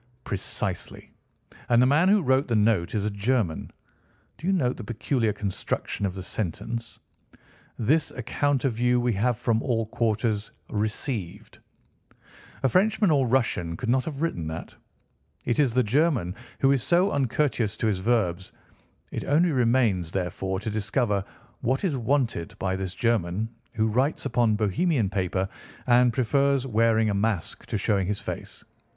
"Precisely. And the man who wrote the note is a German. Do you note the peculiar construction of the sentence—'This account of you we have from all quarters received.' A Frenchman or Russian could not have written that. It is the German who is so uncourteous to his verbs. It only remains, therefore, to discover what is wanted by this German who writes upon Bohemian paper and prefers wearing a mask to showing his face.